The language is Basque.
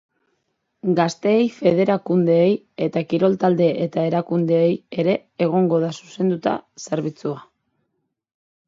Gazteei, federakundeei eta kirol talde eta erakundeei ere egongo da zuzenduta zerbitzua.